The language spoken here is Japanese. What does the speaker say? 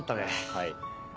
はい。